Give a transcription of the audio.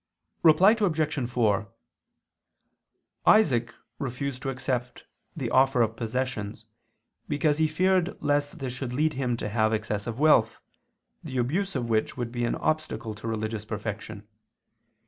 Reply Obj. 4: Isaac refused to accept the offer of possessions, because he feared lest this should lead him to have excessive wealth, the abuse of which would be an obstacle to religious perfection.